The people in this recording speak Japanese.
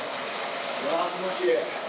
うわ気持ちええ。